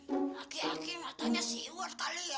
agak agak matanya si iwan kali ya